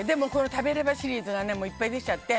食べればシリーズがいっぱいできちゃって。